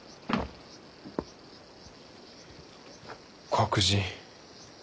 黒人。